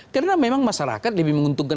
karena memang masyarakat lebih menguntungkan